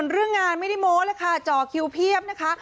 เรื่องงานไม่ได้โม้แล้วค่ะจ่อคิวเพียบนะคะ